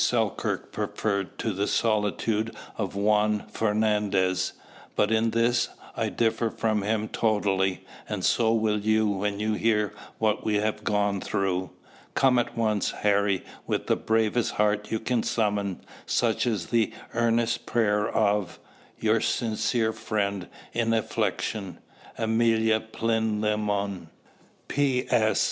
Selkirk preferred to the solitude of Juan Fernandez; but in this I differ from him totally, and so will you when you hear what we have gone through. Come at once, Harry, with the bravest heart you can summon, Such is the earnest prayer of:" "Your sincere friend in affliction," "Amelia Plinlimmon." "P.S.